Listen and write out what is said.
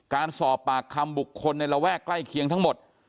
การสอบปากคำบุคคลในระแวกใกล้เคียงทั้งหมด